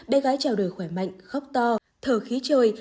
bé gái trao đổi khỏe mạnh khóc to thở khí trời